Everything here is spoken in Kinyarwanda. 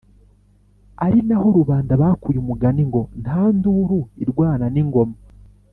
ari na ho rubanda bakuye umugani ngo: “Nta nduru irwana n’ ingoma.”